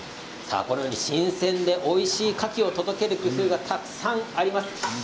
新鮮でおいしいカキを届ける工夫がたくさんあります。